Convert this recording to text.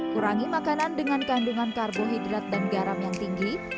kurangi makanan dengan kandungan karbohidrat dan garam yang tinggi